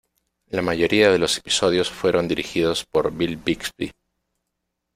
La mayoría de los episodios fueron dirigidos por Bill Bixby.